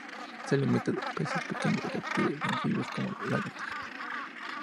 Se alimenta de peces y pequeños reptiles y anfibios como lagartijas.